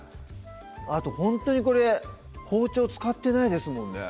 あとほんとにこれ包丁使ってないですもんね